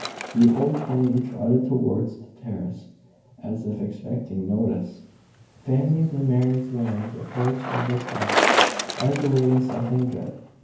The old pony trotted towards the terrace, as if expecting notice. Fanny's and Mary's lambs approached and looked up, as awaiting something good.